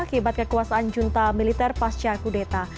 keibat kekuasaan junta militer pascha kudeta